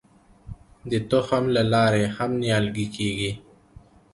د تخم له لارې هم نیالګي کیږي.